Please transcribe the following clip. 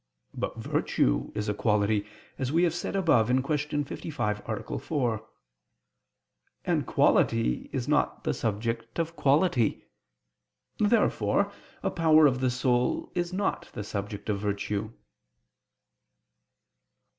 But virtue is a quality, as we have said above (Q. 55, A. 4): and quality is not the subject of quality. Therefore a power of the soul is not the subject of virtue.